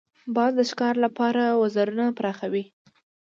باز د ښکار لپاره وزرونه پراخوي